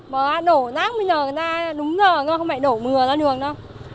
mà đổ rác bây giờ người ta đúng giờ không phải đổ mừa ra đường đâu